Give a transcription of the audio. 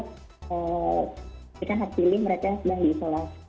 mereka hard pilih mereka sedang diisola